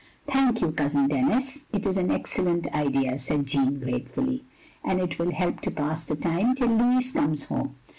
" "Thank you, Cousin Denis. It is an excellent idea," said Jeanne, gratefully, "and it will help to pass the time till Louis comes home.